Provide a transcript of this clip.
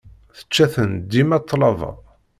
Tečča-ten dima ṭṭlaba.